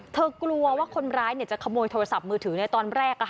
กลัวว่าคนร้ายจะขโมยโทรศัพท์มือถือในตอนแรก